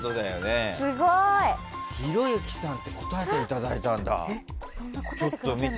すごい！ひろゆきさんに答えていただいたんだ。